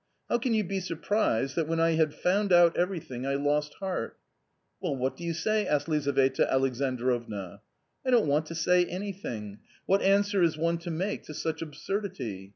How can you be surprised that, when I had found out everything, I lost heart?" " Well, what do you say?" asked Lizaveta Alexandrovna. "I don't want to say anything; what answer is one to make to such absurdity